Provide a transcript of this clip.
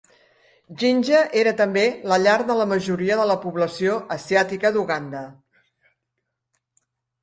Jinja era també la llar de la majoria de la població asiàtica d'Uganda.